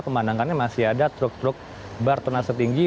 pemandangannya masih ada truk truk bertuna setinggi